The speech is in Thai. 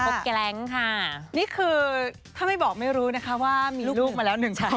แก๊งค่ะนี่คือถ้าไม่บอกไม่รู้นะคะว่ามีลูกมาแล้วหนึ่งฉัน